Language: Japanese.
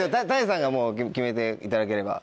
Ｔａｎｉさんが決めていただければ。